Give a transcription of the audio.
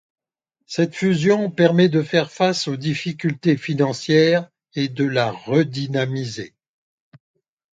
Cette fusion permet de faire face aux difficultés financières et de la redynamiser.